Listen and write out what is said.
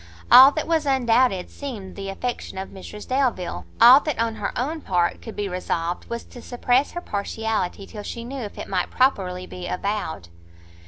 All that was undoubted seemed the affection of Mrs Delvile, all that, on her own part, could be resolved, was to suppress her partiality till she knew if it might properly be avowed.